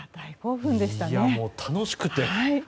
もう楽しくて。